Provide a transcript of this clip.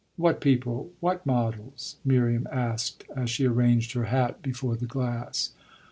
"What people what models?" Miriam asked as she arranged her hat before the glass.